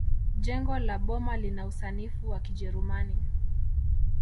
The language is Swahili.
jengo la boma lina usanifu wa kijerumani